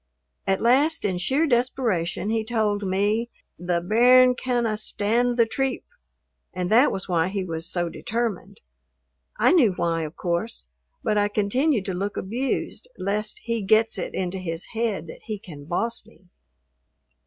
At last, in sheer desperation he told me the "bairn canna stand the treep," and that was why he was so determined. I knew why, of course, but I continued to look abused lest he gets it into his head that he can boss me.